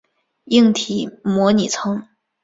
硬体模拟层。